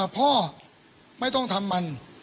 พ่อไม่ต้องทำมัน